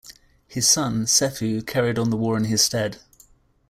His son, Sefu, carried on the war in his stead.